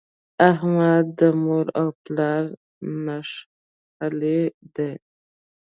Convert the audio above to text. احمد د مور او پلار ښهلی دی.